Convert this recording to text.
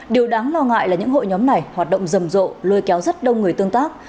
điều đáng lo ngại là những hội nhóm này hoạt động rầm rộ lôi kéo rất đông người tương tác